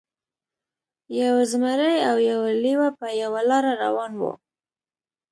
یو زمری او یو لیوه په یوه لاره روان وو.